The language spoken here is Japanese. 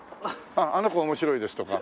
「あの子面白いです」とか。